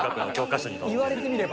言われてみれば。